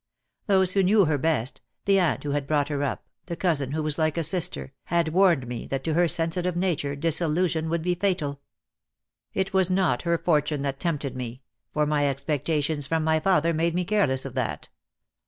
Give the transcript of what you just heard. Those who knew her best, the aunt who had brought her up, the cousin who was like a sister, had warned me that to her sensitive nature disillusion would be fatal. 222 DEAD LOVE HAS CHAINS. It was not her fortune that tempted me, for my expectations from my father made me careless of that.